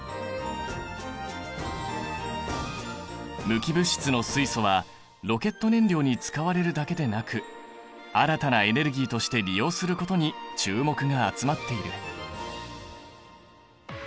無機物質の水素はロケット燃料に使われるだけでなく新たなエネルギーとして利用することに注目が集まっている。